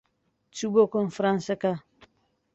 چوو بۆ کۆنفرانسەکە.